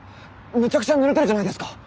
めちゃくちゃぬれてるじゃないですか。